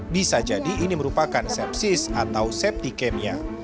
bisa jadi ini merupakan sepsis atau septikemia